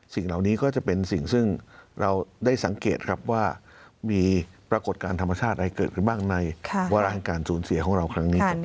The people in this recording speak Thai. สิ่งเหล่านี้ก็จะเป็นสิ่งซึ่งเราได้สังเกตครับว่ามีปรากฏการณ์ธรรมชาติอะไรเกิดขึ้นบ้างในวาระการสูญเสียของเราครั้งนี้เป็นยังไง